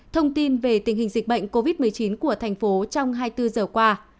thông tin về tình hình dịch bệnh covid một mươi chín của thành phố trong hai mươi bốn giờ qua